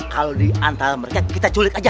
kalau di antal mereka kita culik aja